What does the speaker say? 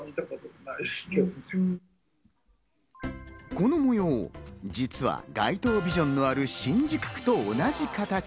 この模様、実は街頭ビジョンのある新宿区と同じ形。